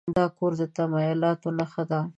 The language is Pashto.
دا کور د تمایلاتو نښه ده.